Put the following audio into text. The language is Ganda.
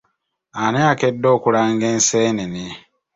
Ani akedde okulanga enseenene?